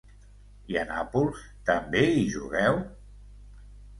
I a Nàpols, també hi jugueu?